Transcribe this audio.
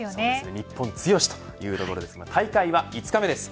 日本強し、というところで大会は５日目です